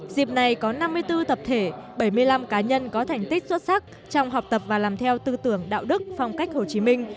dịp này có năm mươi bốn tập thể bảy mươi năm cá nhân có thành tích xuất sắc trong học tập và làm theo tư tưởng đạo đức phong cách hồ chí minh